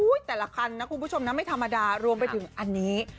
แต่ละคันนะคุณผู้ชมนะไม่ธรรมดารวมไปถึงอันนี้